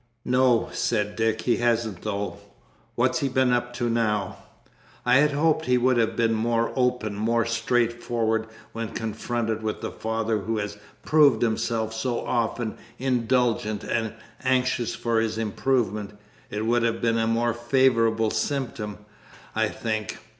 "No," said Dick, "he hasn't though. What's he been up to now?" "I had hoped he would have been more open, more straightforward, when confronted with the father who has proved himself so often indulgent and anxious for his improvement; it would have been a more favourable symptom, I think.